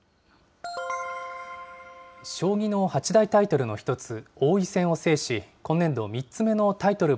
将棋の八大タイトルの１つ、王位戦を制し、今年度、３つ目のタイトル